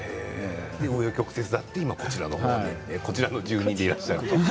う余曲折があって今はこちらの住人でいらっしゃる。